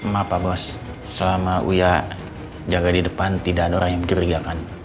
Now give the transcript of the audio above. maaf pak bos selama uya jaga di depan tidak ada orang yang mencurigakan